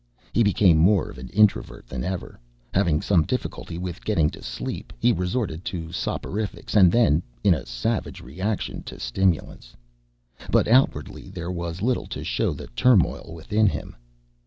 He became more of an introvert than ever. Having some difficulty with getting to sleep, he resorted to soporifics and then, in a savage reaction, to stimulants. But outwardly there was little to show the turmoil within him.